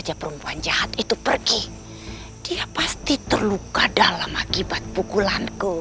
jangan lupa like share dan subscribe ya